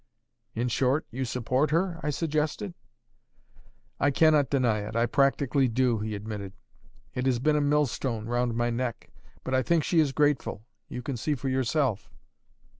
"In short, you support her?" I suggested. "I cannot deny it. I practically do," he admitted. "It has been a mill stone round my neck. But I think she is grateful. You can see for yourself."